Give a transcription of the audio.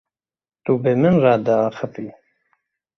Tu bi min re diaxivî?